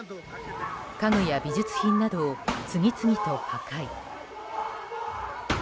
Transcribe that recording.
家具や美術品などを次々と破壊。